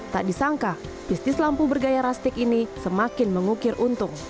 tak disangka bisnis lampu bergaya rastik ini semakin mengukir untung